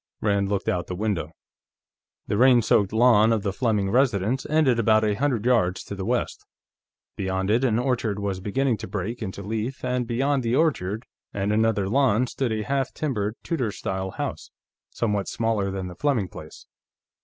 Rand looked out the window. The rain soaked lawn of the Fleming residence ended about a hundred yards to the west; beyond it, an orchard was beginning to break into leaf, and beyond the orchard and another lawn stood a half timbered Tudor style house, somewhat smaller than the Fleming place.